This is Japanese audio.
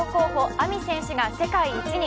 ＡＭＩ選手が世界一に。